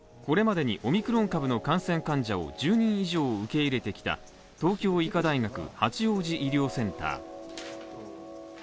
これまでにオミクロン株の感染患者を１０人以上を受け入れてきた東京医科大学八王子医療センター